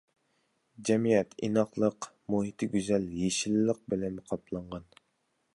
جەمئىيەت ئىناقلىق، مۇھىتى گۈزەل يېشىللىق بىلەن قاپلانغان.